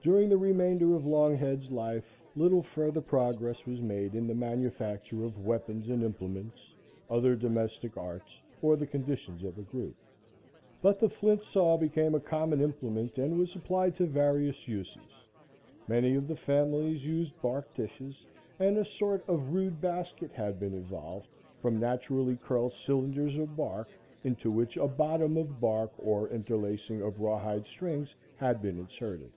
During the remainder of Longhead's life, little further progress was made in the manufacture of weapons and implements, other domestic arts or the conditions of the group; but the flint saw became a common implement and was applied to various uses; many of the families used bark dishes, and a sort of rude basket had been evolved from naturally curled cylinders of bark into which a bottom of bark or interlacing of rawhide strings had been inserted.